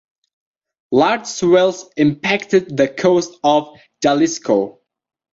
Large swells impacted the coast of Jalisco.